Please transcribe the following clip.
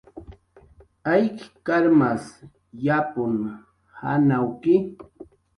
Ayk karmas yapun janawki